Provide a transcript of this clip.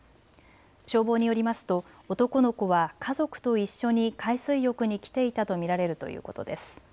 消防によりますと男の子は家族と一緒に海水浴に来ていたと見られるということです。